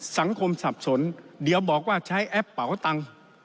สับสนเดี๋ยวบอกว่าใช้แอปเป๋าตังค์